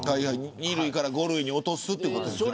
２類から５類に落とすということですか。